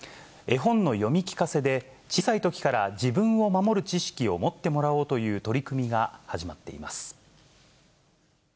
絵本の読み聞かせで、小さいときから自分を守る知識を持ってもらおうという取り組みが始まっています。